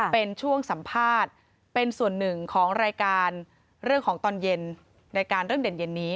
เป็นช่วงสัมภาษณ์เป็นส่วนหนึ่งของรายการเรื่องของตอนเย็นรายการเรื่องเด่นเย็นนี้